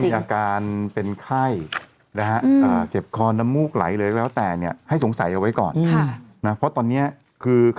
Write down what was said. เอาจริงเพื่อเป็นการป้องกันการแพร่กระจายเชื้อไปสู่คนอื่นด้วยนะอันนี้เอาจริง